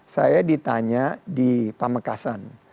saya ditanya di pamekasan